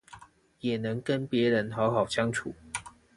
也能跟別人好好相處